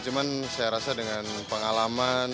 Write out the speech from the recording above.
cuman saya rasa dengan pengalaman